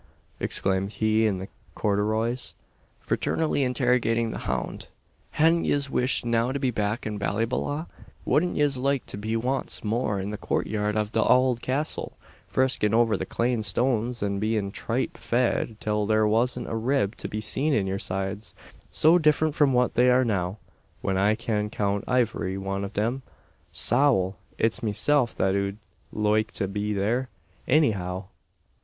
exclaimed he in the corduroys, fraternally interrogating the hound; "hadn't yez weesh now to be back in Ballyballagh? Wadn't yez loike to be wance more in the coortyard av the owld castle, friskin' over the clane stones, an bein' tripe fed till there wasn't a rib to be seen in your sides so different from what they are now when I kyan count ivery wan av them? Sowl! it's meself that ud loike to be there, anyhow!